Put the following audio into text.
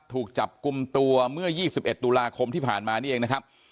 ถูกจับกลุ่มตัวเมื่อ๒๑ตุลาคมที่ผ่านมานี่เองนะครับ